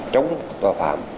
chống tòa phạm